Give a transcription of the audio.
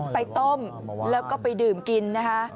ไปต้มแล้วก็ไปดื่มกินนะคะ